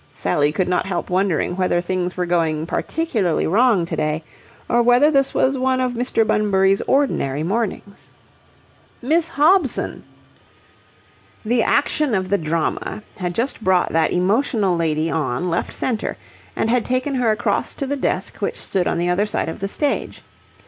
Sally could not help wondering whether things were going particularly wrong to day, or whether this was one of Mr. Bunbury's ordinary mornings. "Miss Hobson!" The action of the drama had just brought that emotional lady on left centre and had taken her across to the desk which stood on the other side of the stage.